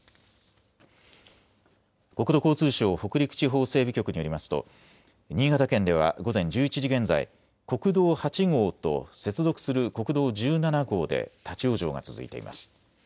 国土交通省北陸地方整備局によりますと新潟県では午前１１時現在、国道８号と接続する国道１７号で立往生が続いています。